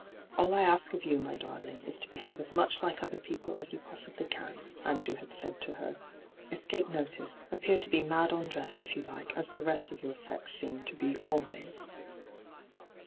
' All I ask of yon, mj darling, is to behave as much like other people as you possibly can,' Andrew had said to her. ' Elscape notice — appear to be mad on dress, if you like, as the rest of your sex seem to be always.